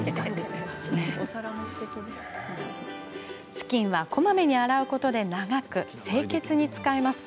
ふきんは、こまめに洗うことで長く清潔に使えます。